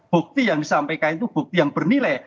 bukti yang disampaikan itu bukti yang bernilai